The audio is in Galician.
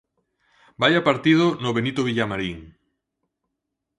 Vaia partido no Benito Villamarín.